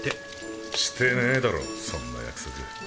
してねぇだろそんな約束。